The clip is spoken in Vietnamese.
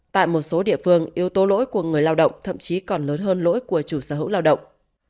tại một số địa phương yếu tố lỗi của người lao động thậm chí còn lớn hơn lỗi của chủ sở hữu lao động